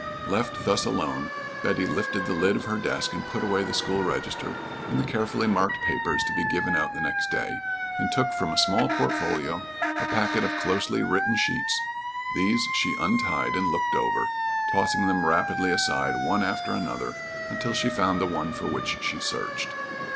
Left thus alone, Betty lifted the lid of her desk and put away the school register and the carefully marked papers to be given out the next day, and took from a small portfolio a packet of closely written sheets. These she untied and looked over, tossing them rapidly aside one after another until she found the one for which she searched.